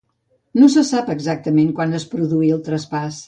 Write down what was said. No se sap exactament quan es produí el traspàs.